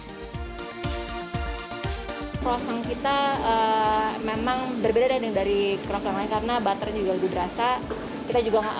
krosong kita memang berbeda dari krafal yang lain karena butternya juga lebih berasa